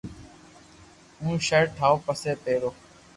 ھون ݾرٽ ٺاو پسي پيرو